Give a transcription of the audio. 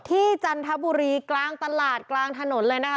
จันทบุรีกลางตลาดกลางถนนเลยนะคะ